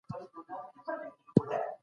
سافټویر انجنیري د منطقي فکر کولو توان زیاتوي.